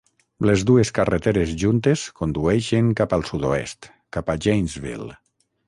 Les dues carreteres juntes condueixen cap al sud-oest, cap a Janesville.